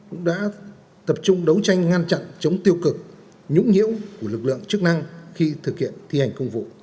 cũng đã tập trung đấu tranh ngăn chặn chống tiêu cực nhũng nhiễu của lực lượng chức năng khi thực hiện thi hành công vụ